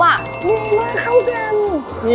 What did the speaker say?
มันในกล้องเท่านั้น